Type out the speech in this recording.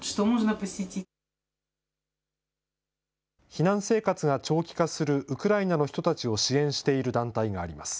避難生活が長期化するウクライナの人たちを支援している団体があります。